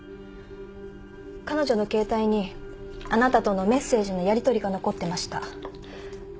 彼女の携帯にあなたとのメッセージのやりとりが残ってました。